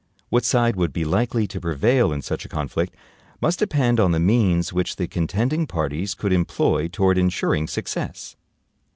What side would be likely to prevail in such a conflict, must depend on the means which the contending parties could employ toward insuring success.